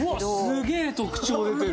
すげえ特徴出てる！